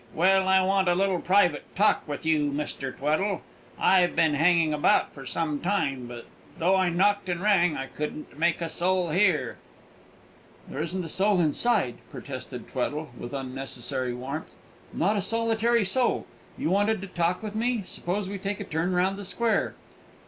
Well, I want a little private talk with you, Mr. Tweddle. I've been hanging about for some time; but though I knocked and rang, I couldn't make a soul hear." "There isn't a soul inside," protested Tweddle, with unnecessary warmth; "not a solitary soul! You wanted to talk with me. Suppose we take a turn round the square?"